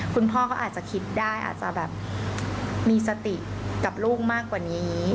คุณพ่อก็อาจจะคิดได้อาจจะแบบมีสติกับลูกมากกว่านี้